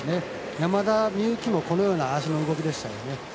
山田美幸もこのような足の動きでしたね。